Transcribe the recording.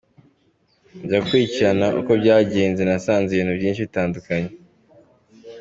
Njya gukurikirana uko byagenze nasanze ibintu byinshi bitandukanye.